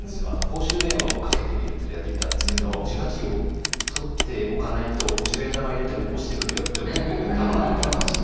公衆電話をかけてみるっていうのやってみたんですけど受話器を取っておかないと十円玉入れても落ちてくるよって思うんだけど我慢我慢。